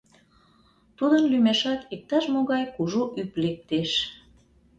Тудын лӱмешат иктаж-могай кужу ӱп лектеш!..